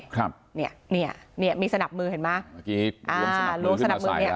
ครับเนี่ยเนี่ยมีสนับมือเห็นไหมเมื่อกี้อ่าลุงสนับมือเนี่ย